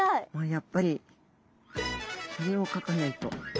やっぱりこれを描かないと。